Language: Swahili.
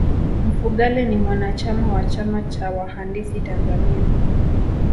mfugale ni mwanachama wa chama cha wahandisi tanzania